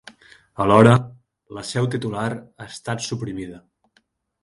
Alhora, la seu titular ha estat suprimida.